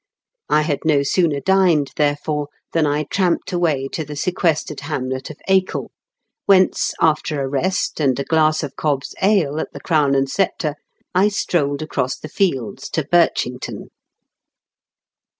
I had no sooner dined, therefore, than I tramped away to the sequestered hamlet of Acol, whence, after a rest and a glass of Cobb's ale at The Crown and Sceptre, I strolled across the fields to Birchington.